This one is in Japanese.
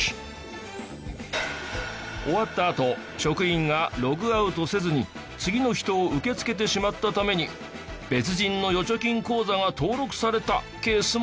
終わったあと職員がログアウトせずに次の人を受け付けてしまったために別人の預貯金口座が登録されたケースもあった。